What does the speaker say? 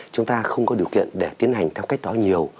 chúng ta không có điều kiện để tiến hành theo cách đó nhiều